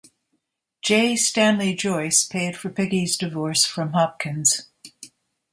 J. Stanley Joyce paid for Peggy's divorce from Hopkins.